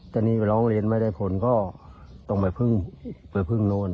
แต่นี่ไปร้องเรียนไม่ได้ผลก็ต้องไปพึ่งไปพึ่งโน่น